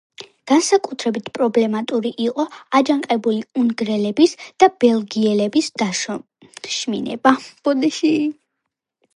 განსაკუთრებით პრობლემატური იყო აჯანყებული უნგრელების და ბელგიელების დაშოშმინება.